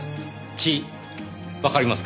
血わかりますか？